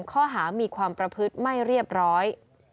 ข้อหามีความประพฤติไม่เรียบร้อย